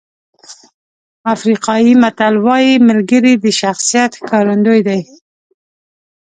افریقایي متل وایي ملګري د شخصیت ښکارندوی دي.